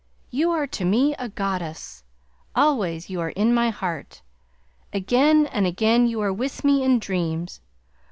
You are to me a goddess! Always you are in my heart. Again and again you are with me in dreams.